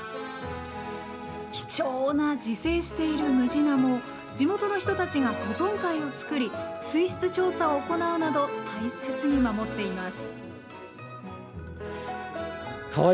貴重な自生しているムジナモを地元の人たちが保存会を作り水質調査を行うなど大切に守っています。